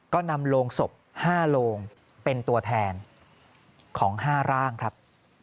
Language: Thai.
ก็นำโลงศพ๕โลงเป็นตัวแทนของ๕ร่างครับ